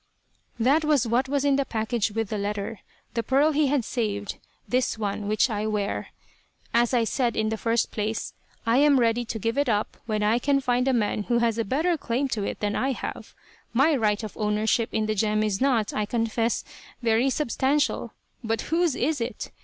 That was what was in the package with the letter. The pearl he had saved; this one which I wear. As I said in the first place, I am ready give it up when I can find a man who has a better claim to it than I have. My right of ownership in the gem is not, I confess, very substantial; but whose is it?